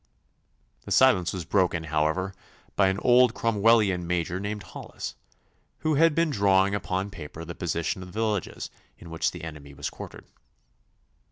The silence was broken, however, by an old Cromwellian Major named Hollis, who had been drawing upon paper the position of the villages in which the enemy was quartered.